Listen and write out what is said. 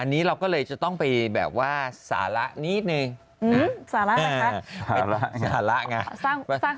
อันนี้เราก็เลยจะต้องไปแบบว่าสาระนิดนึงนะสาระนะคะสาระไง